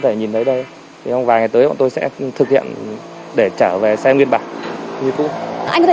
thể nhìn thấy đây vài ngày tới bọn tôi sẽ thực hiện để trở về xe nguyên bản như cũ anh có thể